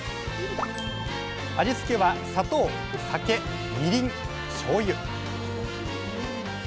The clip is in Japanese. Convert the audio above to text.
味付けは砂糖酒みりんしょうゆ